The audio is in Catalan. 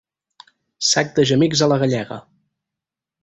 Sac de gemecs a la gallega.